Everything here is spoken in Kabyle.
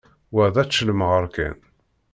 Wa d ačellemɣar kan.